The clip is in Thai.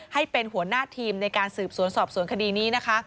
ให้เป็นหัวหน้าทีมในการสืบสวนสอบสวนคดีนี้นะคะ